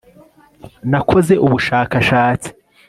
nakoze ubushakashatsi